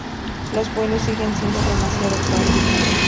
Los vuelos siguen siendo demasiado caros.